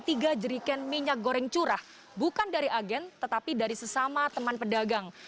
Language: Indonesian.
tiga jeriken minyak goreng curah bukan dari agen tetapi dari sesama teman pedagang